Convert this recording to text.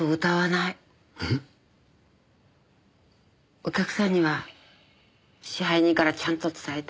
お客さんには支配人からちゃんと伝えて。